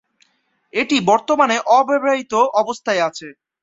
এটি বর্তমানে অব্যবহৃত অবস্থায় আছে।